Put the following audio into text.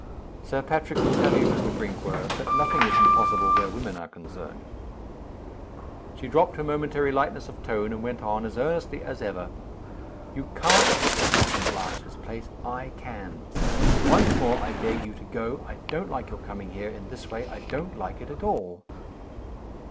"Sir Patrick would tell you, Mr. Brinkworth, that nothing is impossible where women are concerned." She dropped her momentary lightness of tone, and went on as earnestly as ever. "You can't put yourself in Blanche's place I can. Once more, I beg you to go. I don't like your coming here, in this way! I don't like it at all!"